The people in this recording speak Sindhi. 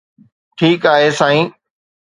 ٺيڪ آهي سائين